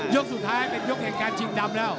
ยกสุดท้ายเป็นยกแห่งการชิงดำแล้ว